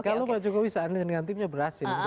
kalau pak jokowi seandainya negatifnya berhasil